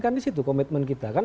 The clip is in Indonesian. kan di situ komitmen kita kan